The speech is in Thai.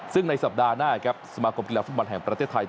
ซึ่งในสัปดาห์หน้าครับสมาคมกีฬาฟุตบอลแห่งประเทศไทย